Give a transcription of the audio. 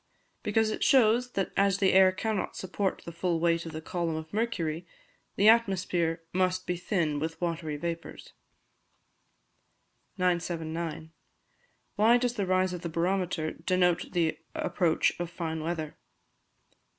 _ Because it shows that as the air cannot support the full weight of the column of mercury, the atmosphere must be thin with watery vapours. 979. _Why does the Rise of the Barometer denote the Approach of Fine Weather?